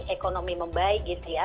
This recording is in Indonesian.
ekonomi membaik gitu ya